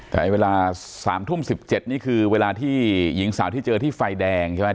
แต่เวลา๓ทุ่ม๑๗นี่คือเวลาที่หญิงสาวที่เจอที่ไฟแดงใช่ไหม